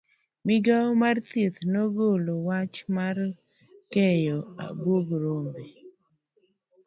Migao mar thieth nogolo wach mar keyo abuog rombe.